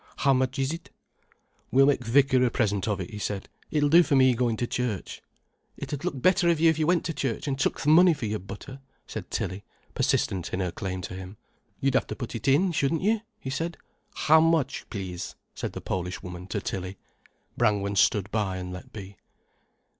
"How much is it?" "We'll make th' vicar a present of it," he said. "It'll do for me goin' to church." "It 'ud look better of you if you went to church and took th' money for your butter," said Tilly, persistent in her claim to him. "You'd have to put in, shouldn't you?" he said. "How much, please?" said the Polish woman to Tilly. Brangwen stood by and let be.